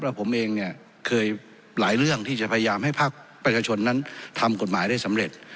ผมเองเนี่ยเคยหลายเรื่องที่จะพยายามให้ภาคประชาชนนั้นทำกฎหมายได้สำเร็จ